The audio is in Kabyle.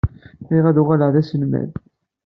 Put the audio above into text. Bɣiɣ ad uɣaleɣ d aselmad.